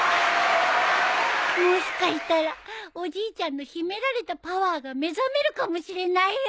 もしかしたらおじいちゃんの秘められたパワーが目覚めるかもしれないよ！